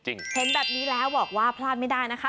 เห็นแบบนี้แล้วบอกว่าพลาดไม่ได้นะคะ